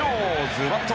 ズバッと！